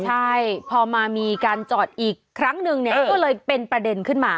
ใช่พอมามีการจอดอีกครั้งนึงเนี่ยก็เลยเป็นประเด็นขึ้นมา